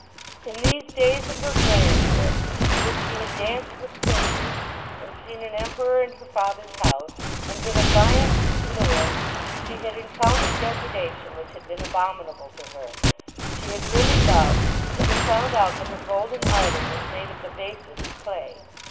In these days of her grandeur, in which she had danced with princes, and seen an emperor in her father's house, and been affianced to lords, she had encountered degradation which had been abominable to her. She had really loved; but had found out that her golden idol was made of the basest clay.